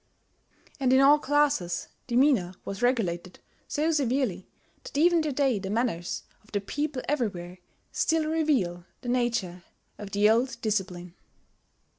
And in all classes demeanour was regulated so severely that even to day the manners of the people everywhere still reveal the nature of the old discipline.